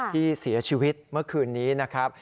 ที่เสียชีวิตเมื่อคืนนี้นะครับ